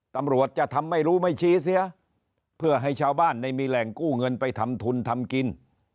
ตำรวจจะทำไม่รู้ไม่ชี้เสียเพื่อให้ชาวบ้านได้มีแหล่งกู้เงินไปทำทุนทำกิน